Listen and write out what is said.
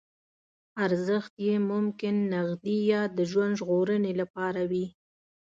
ارزښت یې ممکن نغدي یا د ژوند ژغورنې لپاره وي.